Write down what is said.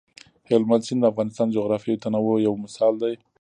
هلمند سیند د افغانستان د جغرافیوي تنوع یو مثال دی.